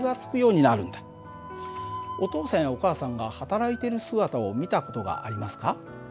お父さんやお母さんが働いている姿を見た事がありますか？